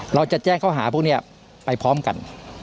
เราจะแจ้งข้อหาพวกนี้ไปพร้อมกัน